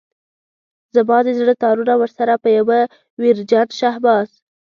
زما د زړه تارونه ورسره په يوه ويرجن شهباز.